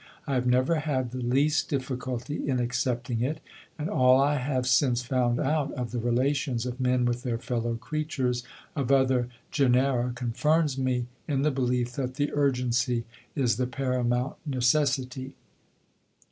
I have never had the least difficulty in accepting it; and all I have since found out of the relations of men with their fellow creatures of other genera confirms me in the belief that the urgency is the paramount necessity.